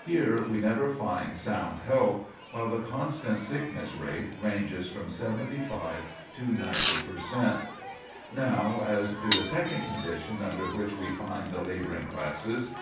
Here we never find sound health, while the constant sickness rate ranges from 75 to 90 per cent. [Sidenote: Tenant House Population] Now, as to the second condition under which we find the laboring classes.